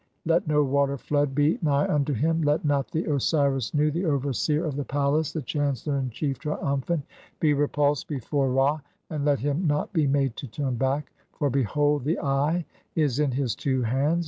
(8) Let no water flood "be nigh unto him, let not the Osiris Nu, the overseer of the "palace, the chancellor in chief, triumphant, be repulsed before "Ra, and let him not be made to turn back ; for, behold, the "Eye is in his two hands.